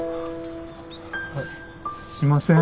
すいません。